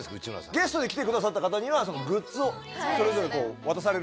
ゲストで来てくださった方にはグッズをそれぞれ渡される。